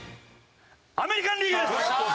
アメリカン・リーグです。